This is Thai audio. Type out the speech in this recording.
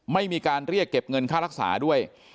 ไม่มีการเรียกเก็บเงินค่ารักษาด้วย